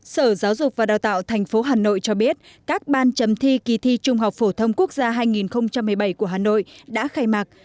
sở giáo dục và đào tạo tp hà nội cho biết các ban chấm thi kỳ thi trung học phổ thông quốc gia hai nghìn một mươi bảy của hà nội đã khai mạc